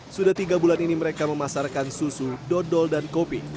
sudah tiga bulan ini mereka memasarkan susu dodol dan kopi